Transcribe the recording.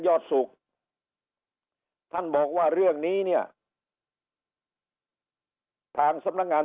อดสุขท่านบอกว่าเรื่องนี้เนี่ยทางสำนักงาน